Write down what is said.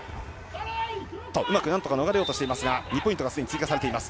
うまく逃れようとしていますが２ポイントが追加されています。